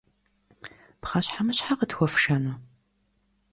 Pxheşhemışheş'e khıtxuefşşenu?